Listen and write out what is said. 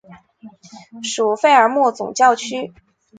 属费尔莫总教区。